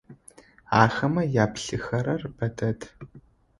Ахэмэ яплъыхэрэр бэ дэд.